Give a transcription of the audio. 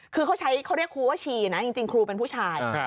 คือเขาใช้เขาเรียกครูว่าชีนะจริงครูเป็นผู้ชาย